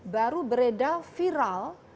baru bereda viral